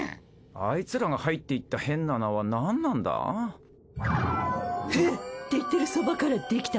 アイツらが入っていった変な穴は何なんだ？って言ってるそばからできた。